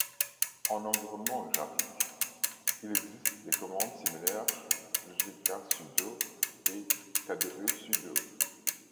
En environnement graphique, il existe les commandes similaires gksudo et kdesudo.